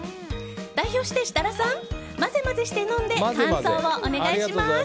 代表して設楽さん混ぜ混ぜして、飲んで感想をお願いします。